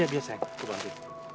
biar biar sayang gue bantu